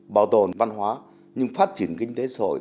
bảo tồn văn hóa nhưng phát triển kinh tế rồi